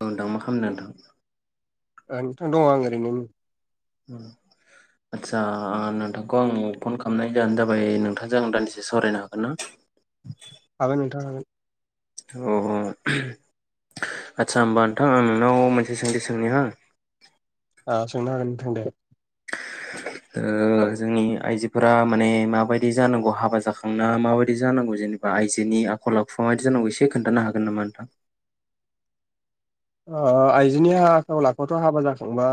ओ नोंथां मा खालामना दं? ओ नोंथां दङ आं ओरैनो नै आदसा नोंथांखौ आं फन खालामनाय जाहोन जाबाय नोंथांजों आं दान्दिसे सावरायनो हागोन ना? हागोन नोंथां हागोन। अ आस्सा होमबा नोंथां आं नोंनाव मोनसे सोंलि सोंनिहो आ सोंनो हागोन नोंथां दे। ओ जोंनि आइजोफोरा माने माबायदि जानांगौ हाबा जाखांना माबायदि जानांगौ जेनेबा आइजोनि आखल आखु माबायदि जानांगौ एसे खोन्थानो हागोन नामा नोंथां? ओ आइजोनि आखल आखुआथ' हाबा जाखांबा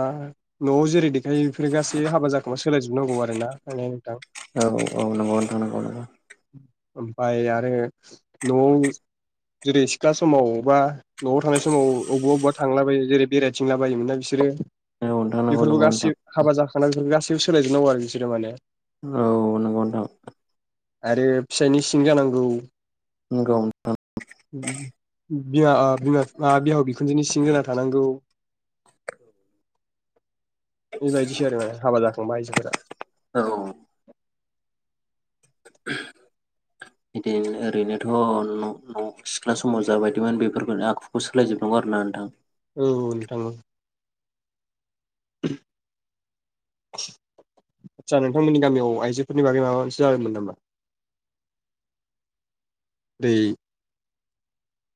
न'आव जेरै दे [unintelligible] बेफोरो गासै हाबा जाखांबा सोलायजुब नंगौ आरो ना माने नोंथां। औ औ नंगौ नोंथां नंगौ नंगौ। ओमफाय आरो न'आव जेरै सिख्ला समाव बा न'आव थानाय समाव अबबा अबबा थांलाबायो जेरै बेरायथिंला बायोमोन ना बिसोरो औ नोंथां नंगौ बेफोरखौ नंगौ नोंथां गासै हाबा जा गासैबो सोलायजोबनांगौ आरो बिसोरो माने औ नंगौ नोंथां नंगौ नोंथां औ आरो फिसायनि सिं जानांगौ बिदिनो बि ओ बिमा बिफा बिहाउ बि खुनजोनि सिं जाना थानांगौ बेबायदिसो आरो माने हाबा जाखांबा आइजोफोरा। औ। बिदिनो ओरैनोथ' न' न' सिख्ला समाव जाबायदिमोन बेफोरखौनो आखुखौ सोलायजोबनांगौ आरो ना नोंथां? औ नोंथां औ। आदसा नोंथांमोननि गामियाव आइजोफोरनि बागै माबा मोनसे जादोंमोन नामा? दैै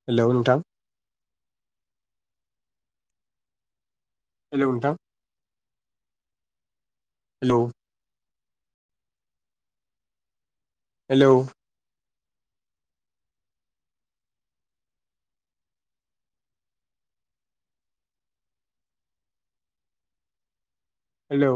हेलौ नोंथां हेलौ नोंथां हेलौ हेलौ हेलौ